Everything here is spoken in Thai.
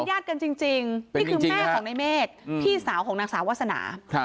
ญาติกันจริงนี่คือแม่ของในเมฆพี่สาวของนางสาววาสนา